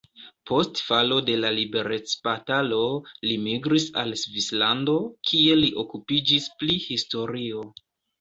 Post falo de la liberecbatalo li migris al Svislando, kie li okupiĝis pri historio.